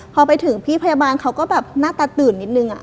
พอไปถึงพี่พยาบาลเขาก็แบบหน้าตาตื่นนิดนึง